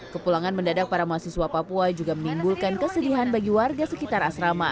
kepulangan mendadak para mahasiswa papua juga menimbulkan kesedihan bagi warga sekitar asrama